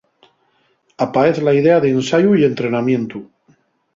Apaez la idea d'ensayu y entrenamientu.